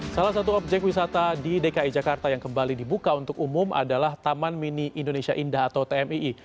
salah satu objek wisata di dki jakarta yang kembali dibuka untuk umum adalah taman mini indonesia indah atau tmii